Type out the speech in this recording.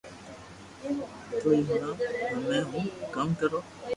تو ھي ھوڻاو ھمي ھون ڪاوُ ڪرو